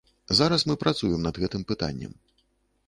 Зараз мы працуем над гэтым пытаннем.